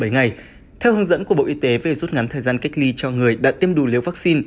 bảy ngày theo hướng dẫn của bộ y tế về rút ngắn thời gian cách ly cho người đã tiêm đủ liều vaccine